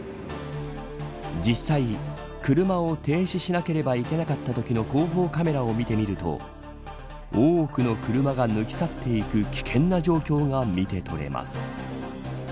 実際、車を停止しなければいけなかったときの後方カメラを見てみると多くの車が抜き去っていく危険な状況が見て取れます。